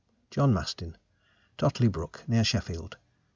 JOHN MASTIN. TOTLEY BROOK, NEAR SHEFFIELD.